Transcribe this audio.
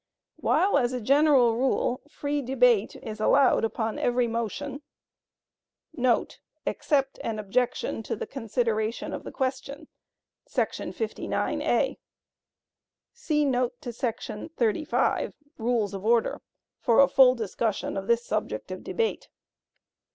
While as a general rule free debate is allowed upon every motion,* [Except an "objection to the consideration of the question" [§ 59 (a)]. See note to § 35, Rules of Order, for a full discussion of this subject of debate.